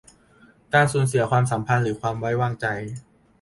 การสูญเสียความสัมพันธ์หรือความไว้วางใจ